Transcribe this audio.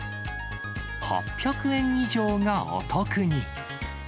８００円以上がお得に。